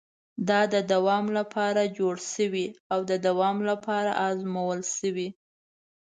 دا د دوام لپاره جوړ شوی او د دوام لپاره ازمول شوی.